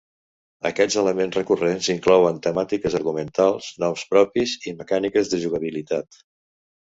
Aquests elements recurrents inclouen temàtiques argumentals, noms propis i mecàniques de jugabilitat.